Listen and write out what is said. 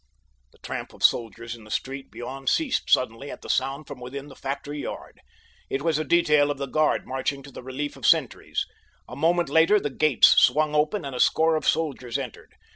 The tramp of soldiers in the street beyond ceased suddenly at the sound from within the factory yard. It was a detail of the guard marching to the relief of sentries. A moment later the gates swung open and a score of soldiers entered.